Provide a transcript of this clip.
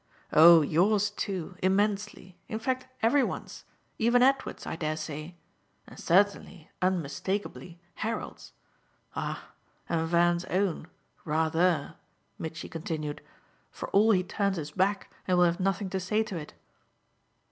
"Oh yours too immensely; in fact every one's. Even Edward's, I dare say; and certainly, unmistakably, Harold's. Ah and Van's own rather!" Mitchy continued; "for all he turns his back and will have nothing to say to it."